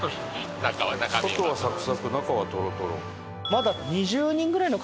外はサクサク中はトロトロ。